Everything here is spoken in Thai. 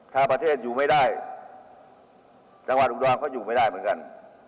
ถ้าประเทศอยู่ไม่ได้จังหวัดอุดรเขาอยู่ไม่ได้เหมือนกัน